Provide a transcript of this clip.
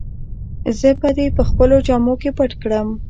زه به دي په خپلو جامو کي پټ کړم.